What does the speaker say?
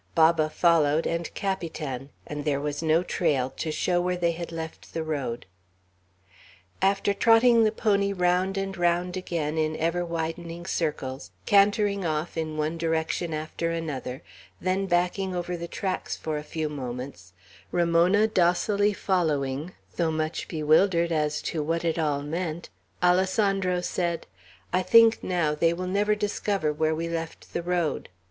Baba followed, and Capitan; and there was no trail to show where they had left the road. After trotting the pony round and round again in ever widening circles, cantering off in one direction after another, then backing over the tracks for a few moments, Ramona docilely following, though much bewildered as to what it all meant, Alessandro said: "I think now they will never discover where we left the road.